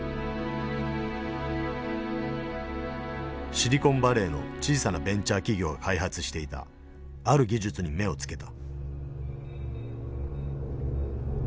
シリコンバレーの小さなベンチャー企業が開発していたある技術に目をつけた。